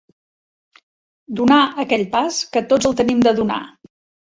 Donar aquell pas que tots el tenim de donar.